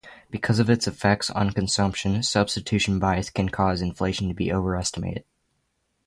Because of its effect on consumption, substitution bias can cause inflation to be over-estimated.